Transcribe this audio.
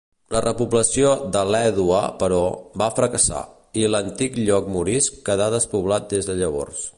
La repoblació d'Alèdua, però, va fracassar, i l'antic lloc morisc quedà despoblat des de llavors.